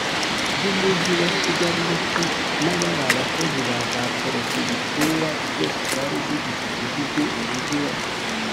b Umujyi wa Kigali ndetse n abari abakozi baza Perefegitura zose zari zigize Igihugu Umujyi wa